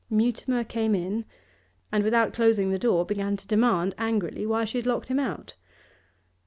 Mutimer came in, and, without closing the door, began to demand angrily why she had locked him out.